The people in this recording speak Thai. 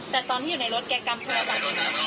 แต่ตอนที่อยู่ในรถแกกำเทียบอะไร